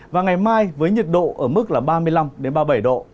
và ngày mai với nhiệt độ ở mức là ba mươi năm ba mươi bảy độ